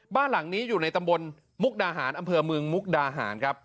บ้านหลังนี้อยู่ในตำบลมุกดาหารอำเภอเมืองมุกดาหารครับ